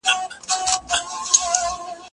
هغه څوک چي درس لولي بريالی کيږي،